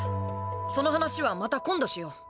その話はまた今度しよう。